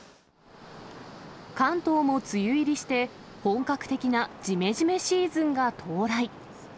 関東も梅雨入りして、本格的なじめじめシーズンが到来。